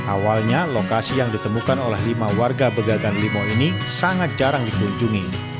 awalnya lokasi yang ditemukan oleh lima warga begagan limau ini sangat jarang dikunjungi